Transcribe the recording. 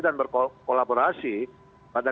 dan berkolaborasi pada